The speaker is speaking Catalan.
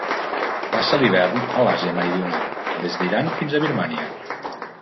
Passa l'hivern a l'Àsia Meridional des d'Iran fins a Birmània.